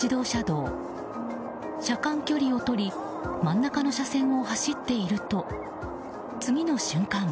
車間距離を取り真ん中の車線を走っていると次の瞬間。